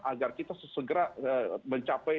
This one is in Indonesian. agar kita segera mencapai